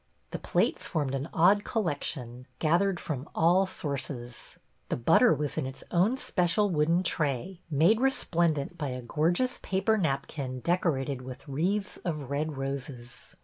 The plates formed an odd collection, gathered from all sources. The butter was in its own special wooden tray, made resplendent by a gorgeous paper napkin, decorated with wreaths of red roses.